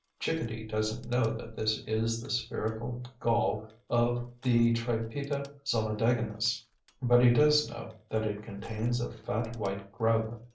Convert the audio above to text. Chickadee doesn't know that this is the spherical gall of the trypeta solidaginis, but he does know that it contains a fat white grub.